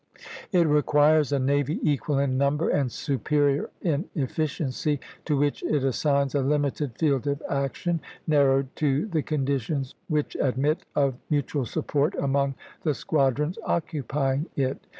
It requires a navy equal in number and superior in efficiency, to which it assigns a limited field of action, narrowed to the conditions which admit of mutual support among the squadrons occupying it.